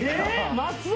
松尾